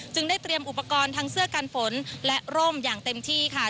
ได้เตรียมอุปกรณ์ทั้งเสื้อกันฝนและร่มอย่างเต็มที่ค่ะ